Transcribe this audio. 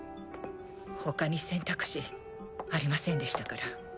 ほかに選択肢ありませんでしたから。